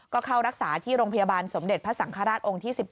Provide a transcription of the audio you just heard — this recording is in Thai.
ก็เข้ารักษาที่โรงพยาบาลสมเด็จพระสังฆราชองค์ที่๑๗